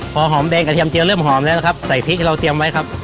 พอหอมแดงกระเทียมเจียเริ่มหอมแล้วนะครับใส่พริกที่เราเตรียมไว้ครับ